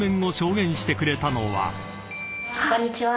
こんにちは。